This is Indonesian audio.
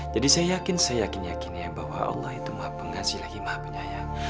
jadi saya yakin saya yakin yakin ya bahwa allah itu maha pengasih maha penyayang